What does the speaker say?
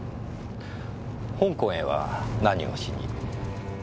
香港へは何をしに？